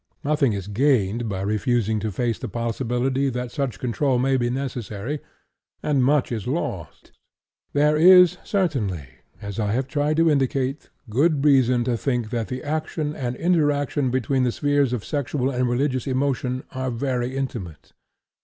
Nothing is gained by refusing to face the possibility that such control may be necessary, and much is lost. There is certainly, as I have tried to indicate, good reason to think that the action and interaction between the spheres of sexual and religious emotion are very intimate.